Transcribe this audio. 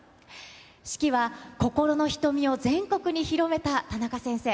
指揮は、心の瞳を全国に広めた田中先生。